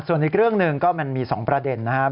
ส่วนอีกเรื่องหนึ่งก็มันมี๒ประเด็นนะครับ